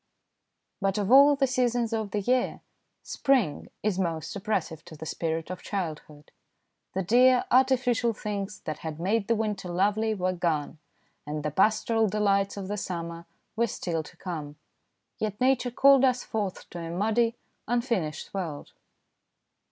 But of all the seasons of the year, spring is most oppressive to the spirit of childhood. The dear, artificial things that had made the winter lovely were gone, and the pastoral delights of the summer were still to come, yet Nature called us forth to a muddy, un finished world.